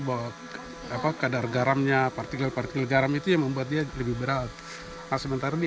bahwa apa kadar garamnya partikel partikel garam itu yang membuat dia lebih berat sementara di